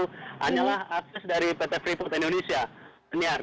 hanyalah akses dari pt freeport indonesia daniar